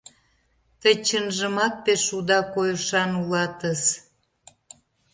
— Тый чынжымак пеш уда койышан улатыс!